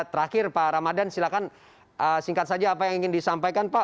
terakhir pak ramadan silakan singkat saja apa yang ingin disampaikan pak